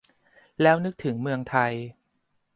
แล้วนึกถึงเมืองไทย